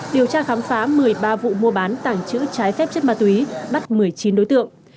điều tra khám phá một mươi ba vụ mua bán tàng trữ trái phép chất ma túy bắt một mươi chín đối tượng